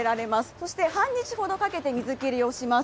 そして半日ほどかけて、水切りをします。